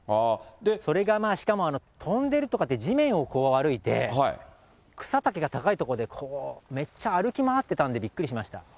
それがしかも飛んでるとかじゃなく、地面を歩いて、草丈が高い所で、めっちゃ歩き回ってたんで、びっくりしました。